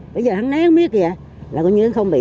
bây giờ tháng né không biết kìa là như không bị hư